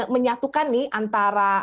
menyatukan nih antara